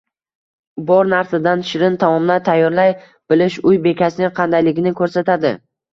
Bor narsadan shirin taomlar tayyorlay bilish uy bekasining qandayligini ko‘rsatadi.